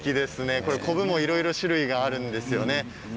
こぶも、いろいろ種類があるんですよね。